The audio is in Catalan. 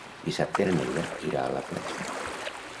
Dissabte na Neida irà a la platja.